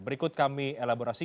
berikut kami elaborasi